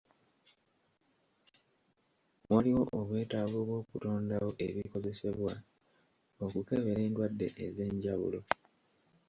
Waliwo obwetaavu bw'okutondawo ebikozesebwa okukebera endwadde ez'enjawulo.